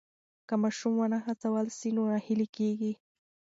که ماشوم ونه هڅول سي نو ناهیلی کېږي.